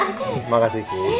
terima kasih ki